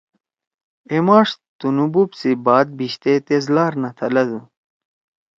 اے ماݜ تنُو بوپ سی بات بھیشتے تیس لار نہ تھلدُو۔